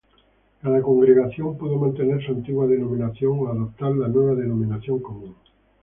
Cada congregación pudo mantener su antigua denominación o adoptar la nueva denominación común.